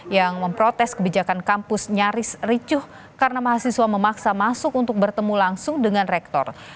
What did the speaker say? yang memprotes kebijakan kampus nyaris ricuh karena mahasiswa memaksa masuk untuk bertemu langsung dengan rektor